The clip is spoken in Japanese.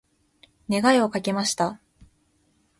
願いをかけました。